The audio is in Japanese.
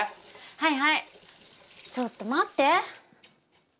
はいはいちょっと待って！